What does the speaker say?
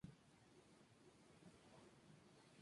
Fue enterrado en el Cementerio Evergreen de Los Ángeles.